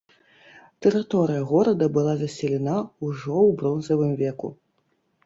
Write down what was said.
Тэрыторыя горада была заселена ўжо ў бронзавым веку.